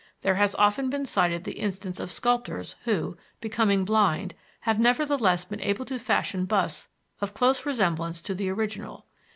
There has often been cited the instance of sculptors who, becoming blind, have nevertheless been able to fashion busts of close resemblance to the original.